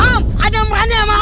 om om ada yang berani sama om